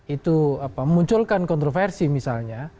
itu munculkan kontroversi misalnya